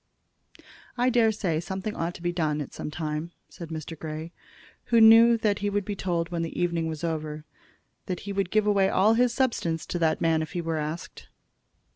"I dare say something ought to be done at some time," said Mr. Grey, who knew that he would be told, when the evening was over, that he would give away all his substance to that man if he were asked.